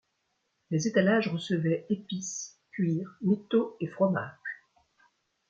Les étalages recevaient épices, cuirs, métaux et fromages.